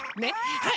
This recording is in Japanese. はい。